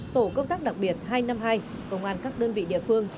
tổ công tác đặc biệt hai trăm năm mươi hai công an các đơn vị địa phương